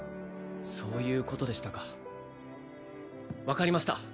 そういうことでしたか分かりました